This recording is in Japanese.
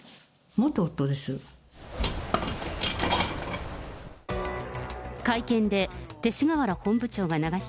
元夫です。